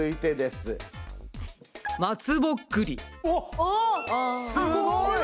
すごい。